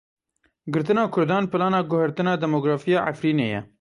Girtina Kurdan plana guhertina demografiya Efrînê ye.